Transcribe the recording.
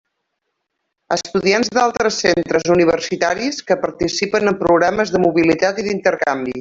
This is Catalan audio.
Estudiants d'altres centres universitaris que participen en programes de mobilitat i d'intercanvi.